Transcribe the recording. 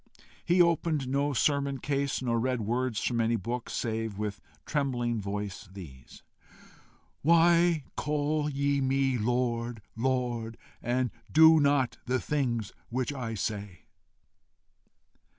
He opened no sermon case, nor read words from any book, save, with trembling voice, these: "WHY CALL YE ME LORD, LORD, AND DO NOT THE THINGS WHICH I SAY?"